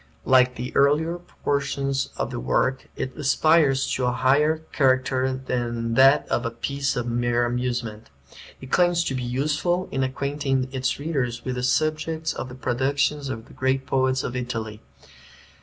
Like the earlier portions of the work, it aspires to a higher character than that of a piece of mere amusement. It claims to be useful, in acquainting its readers with the subjects of the productions of the great poets of Italy.